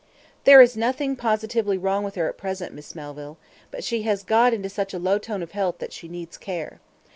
"There is nothing positively wrong with her at present, Miss Melville; but she has got into such a low tone of health that she needs care.